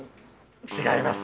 違います。